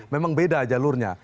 memang beda jalurnya